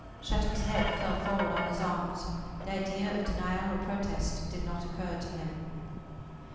Shattuck's head fell forward on his arms. The idea of denial or protest did not occur to him.